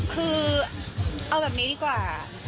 คือเอาแบบนี้ดีกว่า